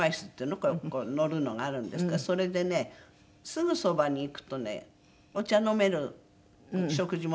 こう乗るのがあるんですけどそれでねすぐそばに行くとねお茶飲めるお食事もできるとこ。